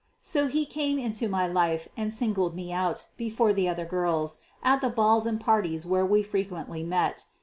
So he came into my life and singled me out before the other girls at the balls and parties where we frequently met.